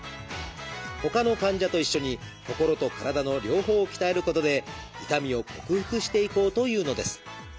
ほかの患者と一緒に心と体の両方を鍛えることで痛みを克服していこうというのです。